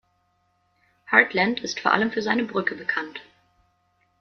Hartland ist vor allem für seine Brücke bekannt.